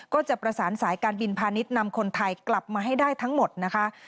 ก็จะประสานสายการบินพาณิชย์นำคนไทยกลับมาให้ได้ทั้งหมดนะคะ